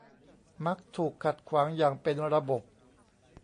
มักถูกขัดขวางอย่างเป็นระบบ